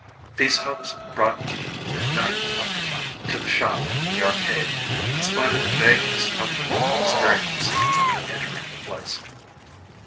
These hopes brought him night after night, to the shop in the arcade, in spite of the vague discomfort he experienced on entering the place.